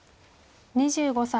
２５歳。